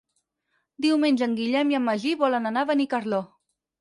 Diumenge en Guillem i en Magí volen anar a Benicarló.